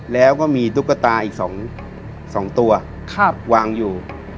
แล้วก็มีตุ๊กตาอีก๒ตัววางอยู่